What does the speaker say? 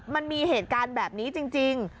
มันมีเหตุการณ์แบบนี้จริง